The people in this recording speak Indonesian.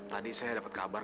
tadi saya dapet kabar